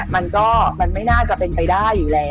มันก็มันไม่น่าจะเป็นไปได้อยู่แล้ว